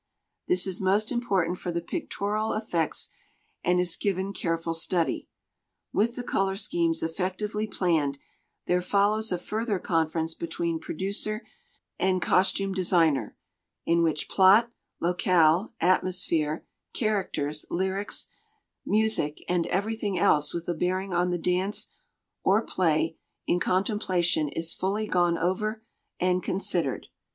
This is most important for the pictorial effects and is given careful study. With the color schemes effectively planned, there follows a further conference between producer and costume designer, in which plot, locale, atmosphere, characters, lyrics, music, and everything else with a bearing on the dance or play in contemplation is fully gone over and considered.